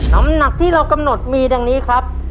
น้ำหนักที่เรากำหนดมีดังนี้ครับ